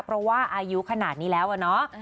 เพราะว่าอายุขนาดนี้แล้วอะเนาะ